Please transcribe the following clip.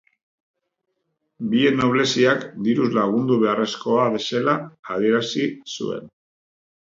Bien nobleziak diruz lagundu beharrekoa zela adierazi zuen.